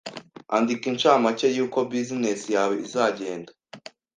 Andika inshamake y’uko business yawe izagenda